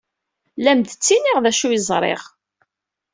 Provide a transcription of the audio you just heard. La am-d-ttiniɣ d acu ay ẓriɣ.